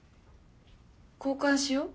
交換しよ。